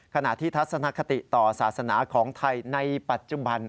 ขณะที่ทัศนคติต่อศาสนาของไทยในปัจจุบัน